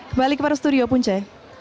kembali ke studio punca